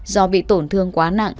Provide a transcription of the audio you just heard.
do bị tổn thương quá nặng